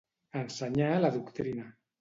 Ensenyar la doctrina.